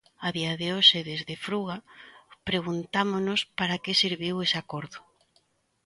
A día de hoxe desde Fruga preguntámonos para que serviu ese acordo.